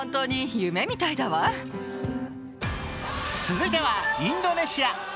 続いてはインドネシア。